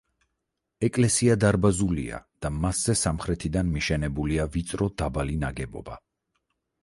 ეკლესია დარბაზულია და მასზე სამხრეთიდან მიშენებულია ვიწრო დაბალი ნაგებობა.